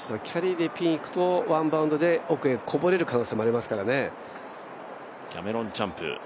キャリーでピンにいくとワンバウンドで奥へこぼれる可能性もありますからねキャメロン・チャンプ。